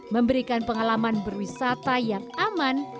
memberikan pengalaman berwisata yang aman